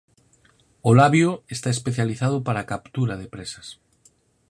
O labio está especializado para a captura de presas.